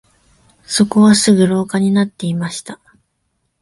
そこはすぐ廊下になっていました